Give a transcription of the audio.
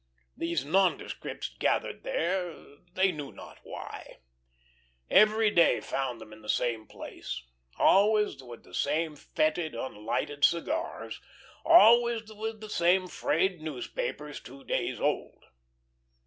These nondescripts gathered there, they knew not why. Every day found them in the same place, always with the same fetid, unlighted cigars, always with the same frayed newspapers two days old.